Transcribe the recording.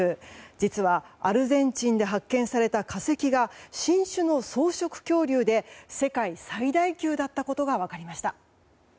実は、アルゼンチンで発見された化石が新種の草食恐竜で世界最大級だったことが分かりました。